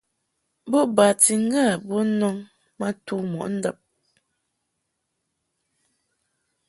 Bo bati ŋga to nɔŋ ma tu mɔʼ ndab.